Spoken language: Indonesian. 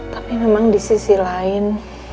tapi memang di sisi lain